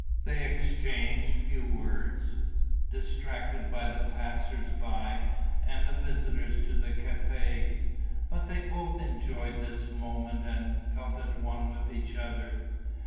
They exchanged few words, distracted by the passers by and the visitors to the café; but they both enjoyed this moment and felt at one with each other.